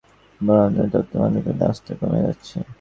ব্রাহ্মণদের তন্ত্রেমন্ত্রে তাদের আস্থা কমে যাচ্ছে।